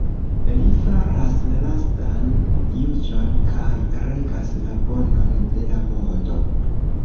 Li faras la lastan juĝon kaj regas la Bonon de la Mondo.